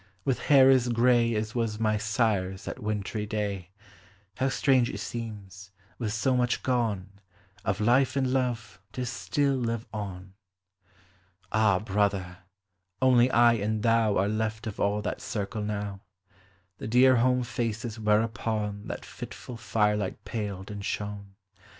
— with hair as gray As was my sire's that wintry day, How strange it seems, with so much gone Of life and love, to still live on! THE HOME. 311 Ah, brother! only I and thou Are left of all that circle now, — The dear home faces whereupon That fitful firelight paled and shone.